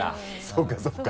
そうかそうか。